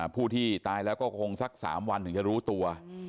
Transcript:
ผู้ที่ตายแล้วก็คงสัก๓วันถึงจะรู้ตัว